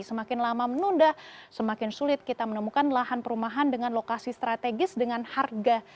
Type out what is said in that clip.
semakin lama menunda semakin sulit kita menemukan lahan perumahan dengan lokasi strategis dengan harga